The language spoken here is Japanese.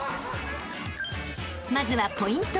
［まずはポイント